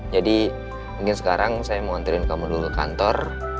jadi mungkin sekarang saya mau ngantriin kamu dulu ke kantor